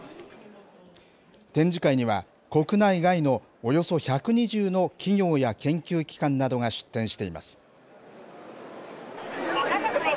展示会には、国内外のおよそ１２０の企業や研究機関などが出展しています。